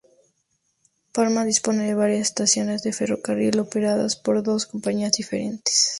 Palma dispone de varias estaciones de ferrocarril operadas por dos compañías diferentes.